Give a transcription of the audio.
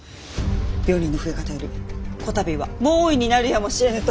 病人の増え方よりこたびは猛威になるやもしれぬと。